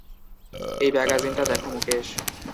এই ম্যাগাজিনটা দেখো মুকেশ।